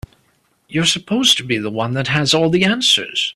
You're supposed to be the one that has all the answers.